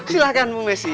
silahkan bu missy